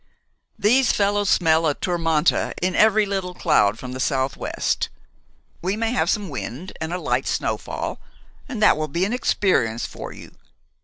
"These fellows smell a tourmente in every little cloud from the southwest. We may have some wind and a light snowfall, and that will be an experience for you.